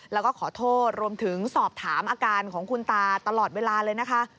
แล้วก็ขอโทษรวมถึงสอบถามอาการของคุณตาตลอดเวลาเลยนะคะ